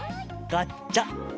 ガチャ。